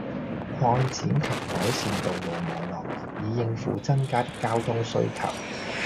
擴展及改善道路網絡，以應付增加的交通需求